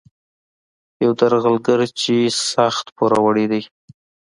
یو درغلګر چې سخت پوروړی دی.